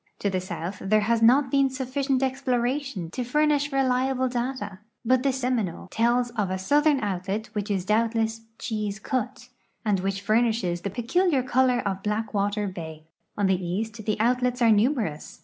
To the south there has not been suffi cient ex})loration to furnish reliable data, but the Seminole tells of a southern outlet which is doubtless "Chi's Cut," and which furnishes the })eculiar color of Black Water bay. On the east the outlets are numerous.